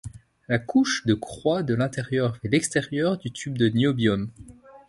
La couche de croît de l'intérieur vers l'extérieur du tube de niobium.